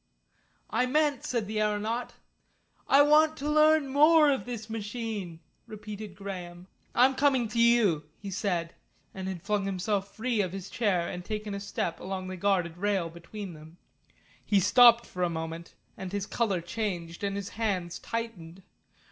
"I meant " said the aeronaut. "I want to learn more of this machine," repeated Graham. "I'm coming to you," he said, and had flung himself free of his chair and taken a step along the guarded rail between them. He stopped for a moment, and his colour changed and his hands tightened.